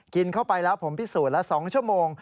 กินเข้าไปแล้วผมพิสูจน์ละ๒ชั่วโมง